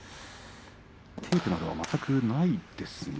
テープなどは全くないですね。